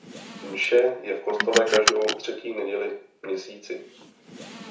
Mše je v kostele každou třetí neděli měsíci.